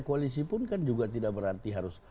koalisi pun kan juga tidak berarti harus